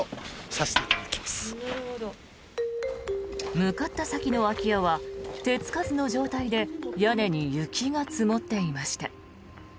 向かった先の空き家は手つかずの状態で屋根に雪が積もっていました。